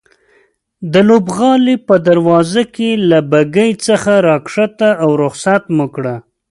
د لوبغالي په دروازه کې له بګۍ څخه راکښته او رخصت مو کړه.